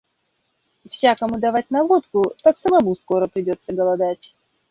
Всякому давать на водку, так самому скоро придется голодать».